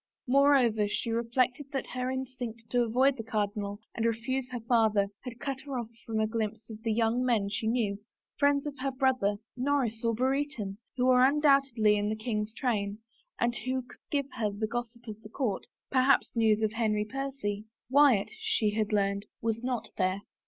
Moreover she reflected that her instinct to avoid the cardinal and refuse her father had cut her off from a glimpse of the young men she knew, friends of her brother, Norris or Brereton, who were undoubtedly in the king's train, and who could give her the gossip of the court — perhaps news of Henry Percy. Wyatt, she had learned, was not there.